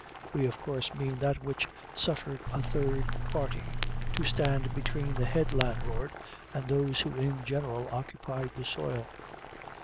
We of course mean that which suffered a third party to stand between the head landlord, and those who in general occupied the soil.